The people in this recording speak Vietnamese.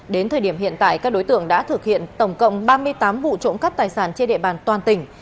đến thời điểm hiện tại các đối tượng đã thực hiện tổng cộng ba mươi tám vụ trộm cắp tài sản trên địa bàn toàn tỉnh